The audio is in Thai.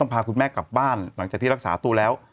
พาคุณแม่กลับบ้านหลังจากที่รักษาตัวแล้ว